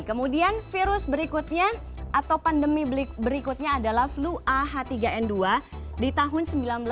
kemudian virus berikutnya atau pandemi berikutnya adalah flu ah tiga n dua di tahun seribu sembilan ratus sembilan puluh